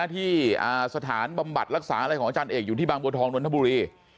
ที่สถานบำบัดรักษาอะไรของอาจารย์เอกอยู่ที่บางบัวทองนนทบุรี